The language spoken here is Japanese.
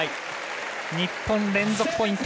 日本、連続ポイント！